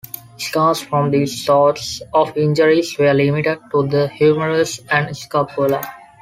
Scars from these sorts of injuries were limited to the humerus and scapula.